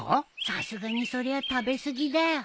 さすがにそれは食べ過ぎだよ。